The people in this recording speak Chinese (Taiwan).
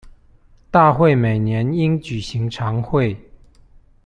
大會每年應舉行常會